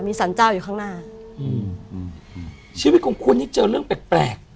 สรรเจ้าอยู่ข้างหน้าอืมอืมชีวิตของคุณนี่เจอเรื่องแปลกแปลก